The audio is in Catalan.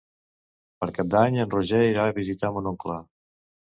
Per Cap d'Any en Roger irà a visitar mon oncle.